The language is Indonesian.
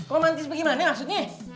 romantis bagaimana maksudnya